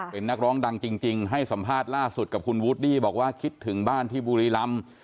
เป็นนักร้องดังจริงให้สัมภาษณ์ล่าสุดกับคุณวูดดี้บอกว่าคิดถึงบ้านที่บุรีรำ